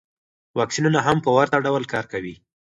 واکسینونه هم په ورته ډول کار کوي.